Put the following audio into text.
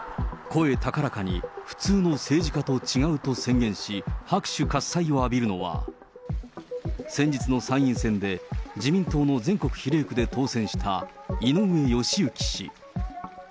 声高らかに普通の政治家と違うと宣言し、拍手喝さいを浴びるのは、先日の参院選で自民党の全国比例区で当選した、井上義行氏。